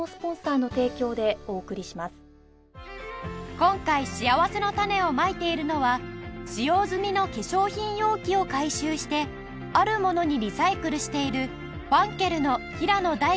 今回しあわせのたねをまいているのは使用済みの化粧品容器を回収してあるものにリサイクルしているファンケルの平野大起さん